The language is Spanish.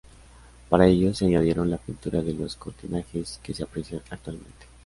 Para ello, se añadieron la pintura de los cortinajes que se aprecian actualmente.